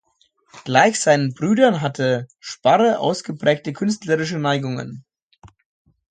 Gleich seinen Brüdern hatte Sparre ausgeprägte künstlerische Neigungen.